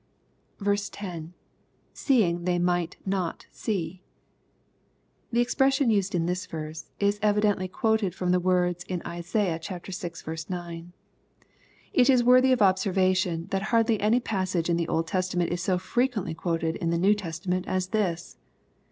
10. — [Seemg they might not see.] The expression used in this verse^ is evidently quoted from the words in Isaiah vi. 9. It is worthy of observation that hardly any passage in the Old Testament is so frequently quoted in the New Testament as this.